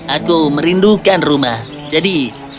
aku merindukan rumah jadi